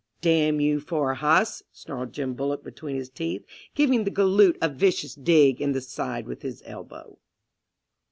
"Damn you for a hass!" snarled Jim Bullock between his teeth, giving the galoot a vicious dig in the side with his elbow.